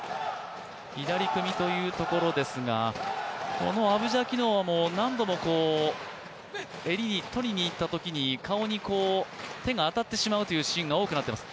左組みというところですが、アブジャキノワも何度も襟にとりにいったときに、顔に手が当たってしまうシーンが多くなっています。